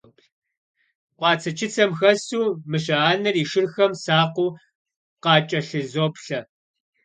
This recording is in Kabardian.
Къуацэ-чыцэм хэсу мыщэ анэр и шырхэм сакъыу къакӀэлъызоплъэ.